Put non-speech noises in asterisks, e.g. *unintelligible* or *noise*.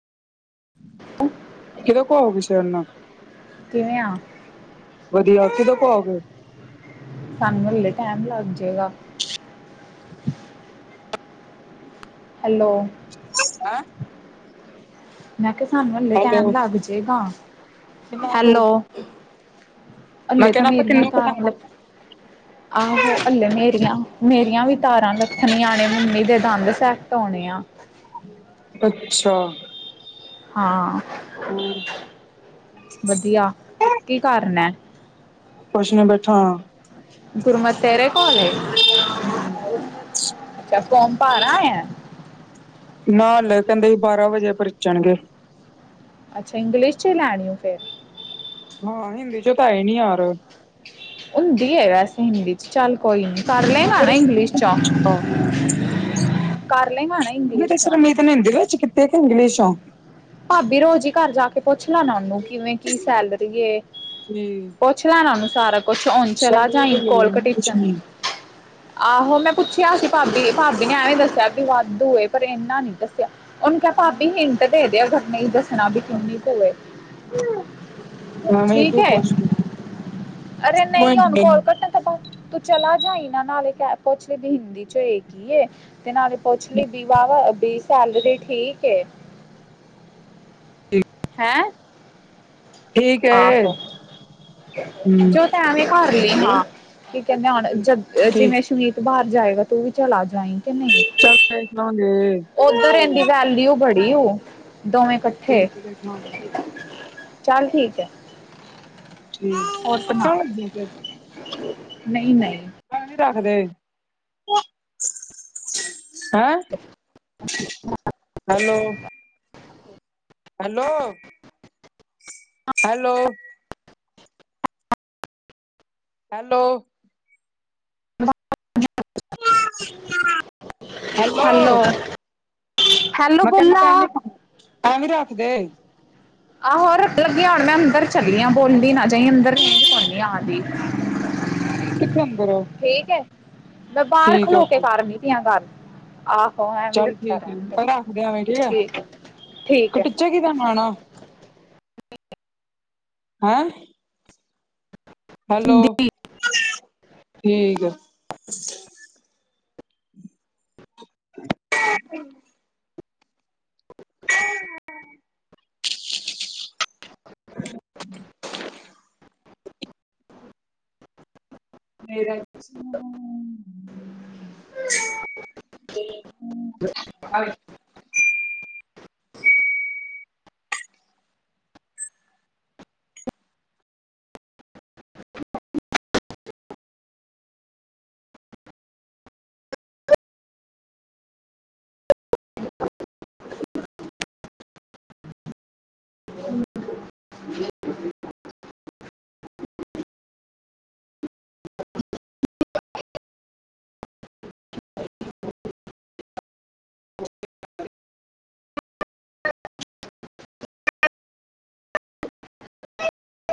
ਅ। ਕਿਦੋ ਕੋ ਆਉਗੇ ਸ਼ਹਿਰ ਨਾ ਕਿਵੇਂ ਆ? ਵਧੀਆ ਕਿਦੋਂ ਕੋ ਆਉਗੇ? ਸਾਨੂੰ ਹੱਲੇ ਟੈਮ ਲੱਗਜੇ ਗਾ। ਹੈਲੋ। ਹੈਂ। ਮੈਂ ਕਿਹਾ ਸਾਨੂੰ ਹਲੇੇ ਟਾਈਮ ਹੈਲੋ ਲੱਗਜੇ ਗਾ। ਕਿੰਨਾ ਕੁ ਹੈਲੋ ਮੈਂ ਹਲੇ ਤਾਂ ਕਹਿਨਾਂ ਆਪਾਂ ਮੇਰੀਆਂ ਕਿੰਨਾ ਕੁ ਤਾਰਾਂ ਟਾਈਮ ਆ ਲ ਆਹੋ ਹੱਲੇ ਮੇਰੀਆਂ-ਮੇਰੀਆਂ ਵੀ ਤਾਰਾਂ ਲੱਥਣੀਆਂ ਨੇ, ਮੰਮੀ ਦੇ ਦੰਦ ਸੈਟ ਹੋਣੇ ਆ ਅੱਛਾ। ਹਾਂ ਹੋਰ ਵਧੀਆ, ਕੀ ਕਰਨਾ ਐ ਕੁਛ ਨੀ ਬੈਠਾ ਗੁਰਮਤ ਤੇਰੇ ਕੋਲ਼ ‌ਏ? ਅੱਛਾ ਫੋਰਮ ਭਰ ਆਏ ਆ? ਨਾ ਹਲੇ ਕਹਿੰਦੇ ਬਾਰਾਂ ਵਜੇ ਭਰਚਣਗੇ। ਅੱਛਾ ਇੰਗਲਿਸ਼ ਚ ਲੈਣੀ ਹੈ ਫਿਰ ਹਾਂ ਹਿੰਦੀ ਚੋਂ ਤਾਂ ਹੈਏ ਨੀ ਯਾਰ। ਹੁੰਦੀ ਹੈ ਵੈਸੇ ਹਿੰਦੀ ਚ ਚੱਲ ਕੋਈ ਨੀ ਕਰ ਮੈਂ ਲਏਗਾ ਨਾ ਫਿਰ ਇੰਗਲਿਸ਼ ਸੁਮੀਤ ਨੂੰ ਚੋਂ। ਪੁੱਛਾਂਗਾ ਕਰ ਲਏਗਾ ਨਾ ਇੰਗਲਿਸ਼ ਬੇਟੇ ਚੋਂ ਸੁਰਮੀਤ ਹਿੰਦੀ ਚ ਕੀਤੇ ਕੇ ਇੰਗਲਿਸ਼ ਵਿੱਚੋਂ। ਭਾਬੀ ਰੋਜ਼ ਹੀ ਘਰ ਜਾ ਕੇ ਪੁੱਛ ਲੈਣਾ ਉਹਨੂੰ ਕਿਵੇਂ ਕੀ ਸੈਲਰੀ ਏ। ਜੀ ਪੁੱਛ ਲੇਣਾ ਇਹਨੂੰ ਸਾਰਾ ਕੁੱਛ ਹੁਣ ਚਲਾ ਸੈਲਰੀ ਤੇ ਜਾਈ ਕੋਲ ਮਿਲੇ ਨਾ ਕੁਛ ਕਟੀਚਣ। *unintelligible* ਆਹੋ ਮੈਂ ਪੁੱਛਿਆ ਸੀ ਭਾਬੀ ਭਾਬੀ ਨੇ ਐਵੇਂ ਦੱਸਿਆ ਵੀ ਵਾਧੂ ਏ ਪਰ ਇਨਾ ਨੀ ਦੱਸਿਆ। ਉਹਨੂੰ ਕਿਹਾ ਭਾਬੀ ਹਿੰਟ ਦੇ ਦਿਆ ਕਰ ਨਹੀਂ ਦੱਸਣਾ ਬਈ ਕਿੰਨੀ ਕੁ ਏ। ਐਵੇਂ ਠੀਕ ਤੂੰ ਹੈ ਪੁੱਛ ਲਈ ਅਰੇ ਨਹੀਂ ਹੁਣ ਕੋਲ ਕੱਟ। ਤੂੰ ਚਲਾ ਜਾਈਂ ਇਹਨਾਂ ਨਾਲੇ ਕ ਪੁੱਛਲੇ ਵੀ ਹਿੰਦੀ ਵਿਚ ਵੇਖੀ ਏ। ਤੇ ਨਾਲੇ ਪੁੱਛ ਲਈ ਵੀ ਬਾਈ ਵਾਹਵਾ ਵੀ ਸੈਲਰੀ ਠੀਕ ਏ। ਹੈਂ ਠੀਕ ਹਾਂ ਹੈ ਫਿਰ ਹੂੰ ਜੋ ਐਵੇਂ ਹੀ ਭਰ ਲਈ ਹਾਂ ਕੀ ਕਹਿੰਦੇ ਹੁਣ ਜਦ ਠੀਕ ਜਿਵੇਂ ਸ਼ਬੀਲ। ਬਾਹਰ ਜਾਏਗਾ ਤੇ ਤੂੰ ਵੀ ਚਲਾ ਜਾਏ ਕਿ ਨਹੀਂ ਚਲ ਪਵਾਂਗੇ। ਉੱਧਰ ਇਹਂਦੀ ਵੈਲਿਊ ਬੜੀ ਉਹ ਦੋਵੇਂ ਇਕੱਠੇ ਠੀਕ ਹੀ ਕੱਟਣਾ ਚੱਲ ਠੀਕ ਹੈ। ਠੀਕ ਹੋਰ ਸੁਣਾ ਕੱਟਣ ਲੱਗੀ ਆ ਫਿਰ ਨਹੀਂ, ਨਹੀਂ। ਨੀ ਰੱਖਦੇ *unintelligible* ਹੈਂ hello. Hello hello hello hello hello ਮੈਂ ਕਹਿੰਦਾ ਬੋਲਾ। ਭੈਣਜੀ ਐਵੇਂ ਰੱਖਦੇ। ਆਹੋ ਰੱਖਣ ਲੱਗੀ ਹੁਣ ਮੈਂ ਅੰਦਰ ਚਲੀ ਆ ਬੋਲੀ ਨਾ ਜਾਈਂ ਅੰਦਰ ਦੀ ਆਣ ਦੀ ਕਿੱਥੇ ਅੰਦਰ ਠੀਕ ਹੈ ਮੈਂ ਬਾਹਰ ਠੀਕ ਖਲੋ ਕੇ ਓਕੇ ਕਰ ਨੀ ਦੀਆਂ ਗੱਲ ਆਹੋ। ਉਹ ਐ ਵੀ ਚੱਲ ਰੱਖਿਆ ਠੀਕ ਹੈ ਰਹਿਣਗੇ ਰੱਖਦੇ ਠੀਕ ਹੈ, ਠੀਕ ਹੈ। ਕਿਹਦਾ ਆਣਾ ਹੈਂ ਹੈਲੋ, ਹੈ। ਠੀਕ ਹੈ। *unintelligible* ਮੇਰੇ ਤੇ ਹੂ ਹੈਲੋ। ਹ